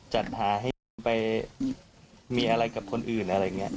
จัดหาให้ยังไปมีอะไรกับคนอื่นพ่อไม่เชื่อเนอะ